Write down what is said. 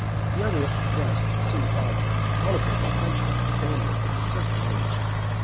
The other guests soon followed; all of them were Frenchmen and Spaniards of a certain age.